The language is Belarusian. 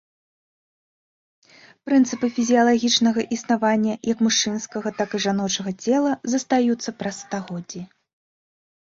Прынцыпы фізіялагічнага існавання як мужчынскага, так і жаночага цела застаюцца праз стагоддзі.